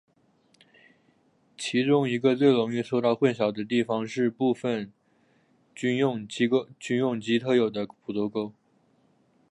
其中一个最容易受到混淆的地方是部份军用机特有的捕捉勾。